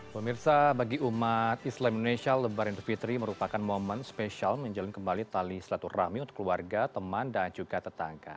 pemirsa bagi umat islam indonesia lebaran idul fitri merupakan momen spesial menjalin kembali tali selaturahmi untuk keluarga teman dan juga tetangga